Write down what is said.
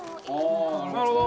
なるほど！